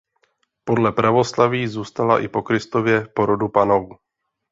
Podle pravoslaví zůstala i po Kristově porodu pannou.